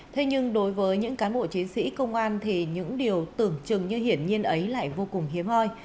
thế nhưng đối với những cán bộ chiến sĩ công an thì những điều tưởng chừng như hiển nhiên ấy lại vô cùng hiếm hoi